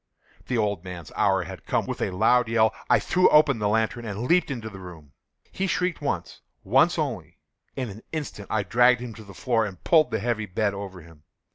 The old man's hour had come! With a loud yell, I threw open the lantern and leaped into the room. He shrieked once—once only. In an instant I dragged him to the floor, and pulled the heavy bed over him.